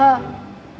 apaan yang rese